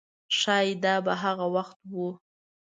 ښایي دا به هغه وخت و.